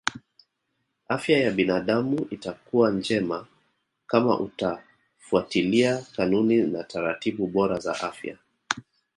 Afya ya binadamu itakuwa njema kama atafuatilia kanuni na taratibu bora za afya